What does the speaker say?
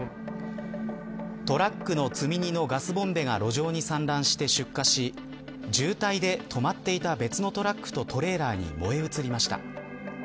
トラックの積み荷のガスボンベが路上に散乱して出火し渋滞で止まっていた別のトラックとトレーラーに燃え移りました。